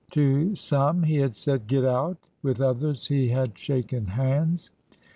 To some he had said, "Get out"; with others he had shaken hands.